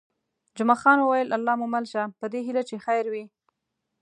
جمعه خان وویل: الله مو مل شه، په دې هیله چې خیر وي.